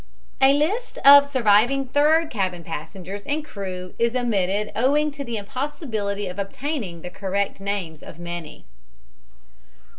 A list of surviving third cabin passengers and crew is omitted owing to the impossibility of obtaining the correct names of many.